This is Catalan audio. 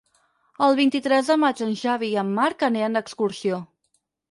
El vint-i-tres de maig en Xavi i en Marc aniran d'excursió.